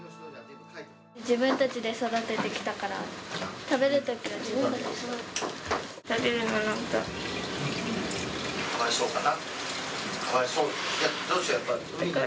自分たちで育ててきたから、食べるの、なんか。